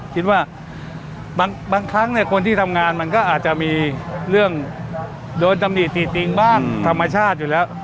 คิดว่าบางครั้งคนที่ทำงานมันก็อาจจะมีเรื่องโดนตำหนิติติงบ้างธรรมชาติอยู่แล้ว